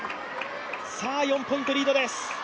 さあ、４ポイントリードです。